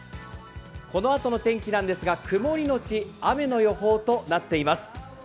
このあとの天気なんですが曇りのち雨の予報となっています。